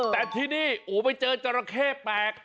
แต่ที่นี่โอ้ไปเจอจราเข้แปลก